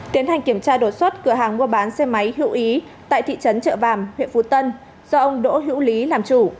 tiến hành kiểm tra đột xuất cửa hàng mua bán xe máy hữu ý tại thị trấn trợ vàm huyện phú tân do ông đỗ hữu lý làm chủ